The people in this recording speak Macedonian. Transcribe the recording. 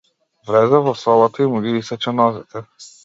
Влезе во собата и му ги исече нозете.